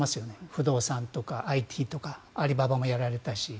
不動産とかＩＴとかアリババもやられたし。